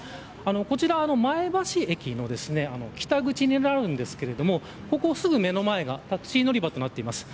こちら、前橋駅の北口になるんですけれどここすぐ目の前がタクシー乗り場となっています。